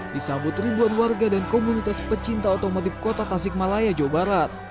disambut ribuan warga dan komunitas pecinta otomotif kota tasik malaya jawa barat